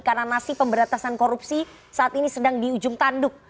karena nasi pemberatasan korupsi saat ini sedang di ujung tanduk